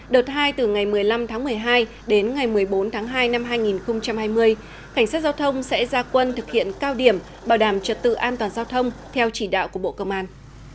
đợt hai từ ngày một mươi năm tháng một mươi hai đến ngày một mươi bốn tháng hai năm hai nghìn hai mươi cảnh sát giao thông sẽ ra quân thực hiện cao điểm bảo đảm trật tự an toàn giao thông theo chỉ đạo của bộ công an